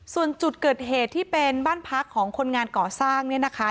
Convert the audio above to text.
ส่วนจุดเกิดเหตุที่เป็นบ้านพักของคนงานก่อสร้างเนี่ยนะคะ